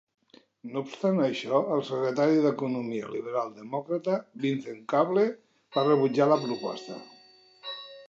No obstant això, el Secretari d'Economia liberal demòcrata, Vince Cable, va rebutjar la proposta.